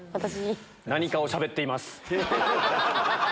何かをしゃべっています。